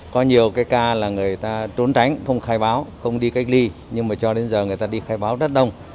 có nhiều cái ca là người ta trốn tránh không khai báo không đi cách ly nhưng mà cho đến giờ người ta đi khai báo rất đông